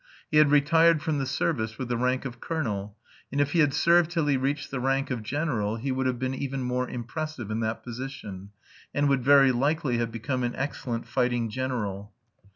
He had retired from the service with the rank of colonel, and if he had served till he reached the rank of general he would have been even more impressive in that position, and would very likely have become an excellent fighting general.